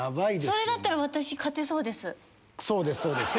それだったら私勝てそうです。